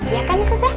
iya kan seseh